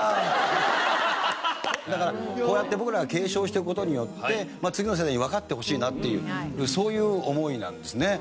だからこうやって僕らが継承していく事によって次の世代にわかってほしいなっていうそういう思いなんですね。